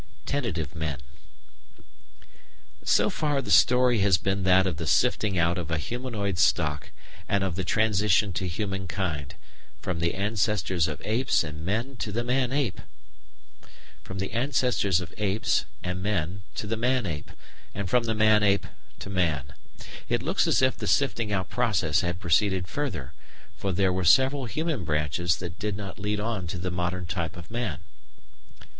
§ 4 Tentative Men So far the story has been that of the sifting out of a humanoid stock and of the transition to human kind, from the ancestors of apes and men to the man ape, and from the man ape to man. It looks as if the sifting out process had proceeded further, for there were several human branches that did not lead on to the modern type of man.